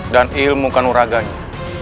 dan ilmu kanuraganya